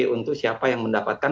untuk siapa yang mendapatkan